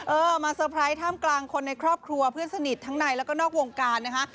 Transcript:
เออมาเตอร์ไพรส์ท่ามกลางคนในครอบครัวเพื่อนสนิททั้งในแล้วก็นอกวงการนะคะ